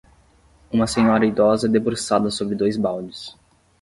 Uma senhora idosa debruçada sobre dois baldes.